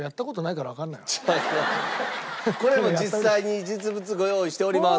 これも実際に実物ご用意しております。